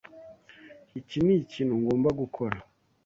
Iki nikintu ngomba gukora.